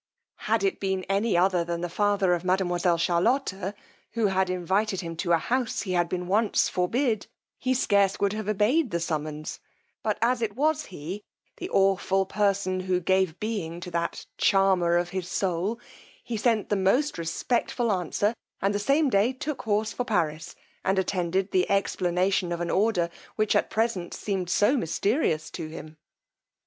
Had it been any other than the father of mademoiselle Charlotta, who had invited him to a house he had been once forbid, he scarce would have obeyed the summons; but as it was he, the awful person who gave being to that charmer of his soul, he sent the most respectful answer, and the same day took horse for Paris, and attended the explanation of an order which at present seemed so misterious to him.